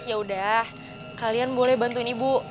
ya udah kalian boleh bantuin ibu